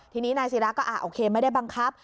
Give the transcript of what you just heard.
ทีนี้นายศิราก็โอเคไม่ได้บังคับ